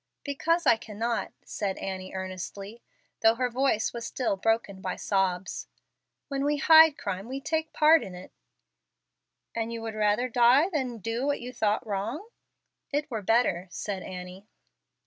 "Because I cannot," said Annie, earnestly, though her voice was still broken by sobs. "When we hide crime, we take part in it." "And would you rather die than do what you thought wrong?" "It were better," said Annie.